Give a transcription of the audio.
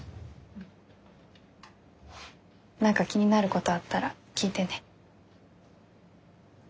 何か気になることあったら聞いてね。